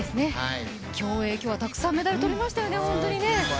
競泳、今日はたくさんメダルとれましたよね、本当にね。